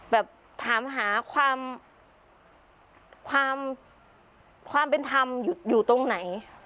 แบบถามหาความความความเป็นธรรมอยู่อยู่ตรงไหน